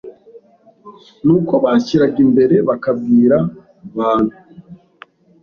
nuko bashyiraga imbere bakabwira bantu